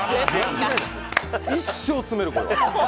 一生積める、これは。